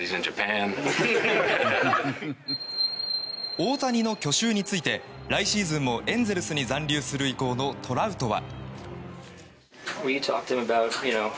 大谷の去就について来シーズンもエンゼルスに残留する意向のトラウトは。